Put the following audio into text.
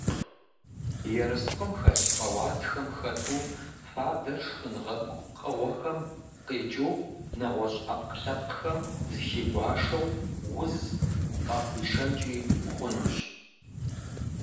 Ерыскъым хэлъ къэуатхэм хэту фадэр шхынгъэткӀу пкъыгъухэм къикӀыу, нэгъуэщӀ Ӏэпкълъэпкъхэм зыхигуашэу, уз къахуишэнкӀи хъунущ.